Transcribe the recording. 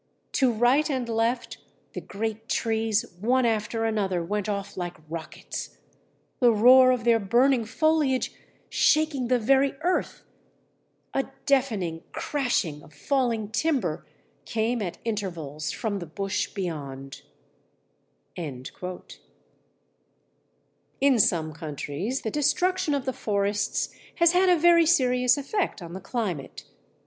To right and left the great trees one after another went off like rockets, the roar of their burning foliage shaking the very earth. A deafening crashing of falling timber came at intervals from the bush beyond." In some countries the destruction of the forests has had a very serious effect on the climate.